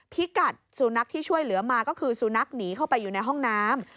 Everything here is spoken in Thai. พิกัดสุนัขที่ช่วยเหลือมาก็คือสุนัขหนีเข้าไปอยู่ในห้องน้ำ